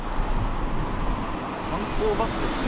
観光バスですね。